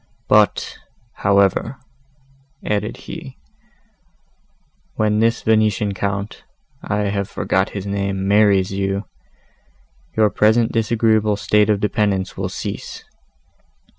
"But, however," added he, "when this Venetian Count (I have forgot his name) marries you, your present disagreeable state of dependence will cease.